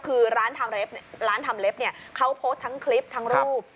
คือร้านทำเล็บเขาโพสต์ทั้งคลิปทั้งรูป